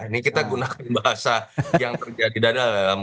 ini kita gunakan bahasa yang terjadi dalam